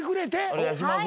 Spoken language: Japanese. お願いします。